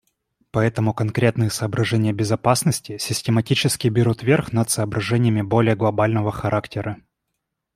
Поэтому конкретные соображения безопасности систематически берут вверх над соображениями более глобального характера.